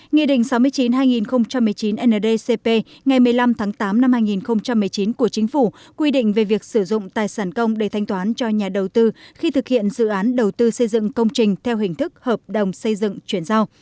nghị định sáu mươi chín hai nghìn một mươi chín ndcp ngày một mươi năm tháng tám năm hai nghìn một mươi chín của chính phủ quy định về việc sử dụng tài sản công để thanh toán cho nhà đầu tư khi thực hiện dự án đầu tư xây dựng công trình theo hình thức hợp đồng xây dựng chuyển giao